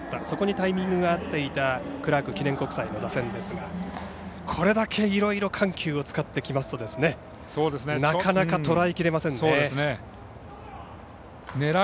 そこにタイミングが合っていたクラーク記念国際の打線ですがこれだけいろいろ緩急を使ってきますとなかなかとらえきれませんね。